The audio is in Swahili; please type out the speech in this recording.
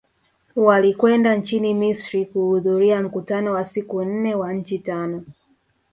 Walikwenda nchini Misri kuhudhuria mkutano wa siku nne wa nchi tano